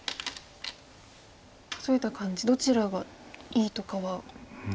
数えた感じどちらがいいとかは？